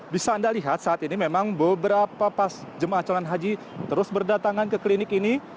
bisa anda lihat saat ini memang beberapa jemaah calon haji terus berdatangan ke klinik ini